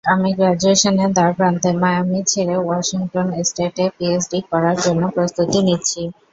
আমি গ্রাজুয়েশনের দ্বারপ্রান্তে, মায়ামি ছেড়ে, ওয়াশিংটন স্টেটে পিএইচডি করার জন্য প্রস্তুতি নিচ্ছি।